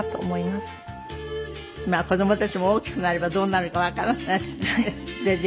まあ子供たちも大きくなればどうなるかわからないしね。